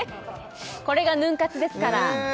これがヌン活ですからえ！？